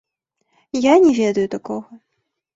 Я не ведаю такога!